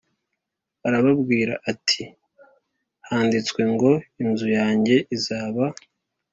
arababwira ati Handitswe ngo Inzu yanjye izaba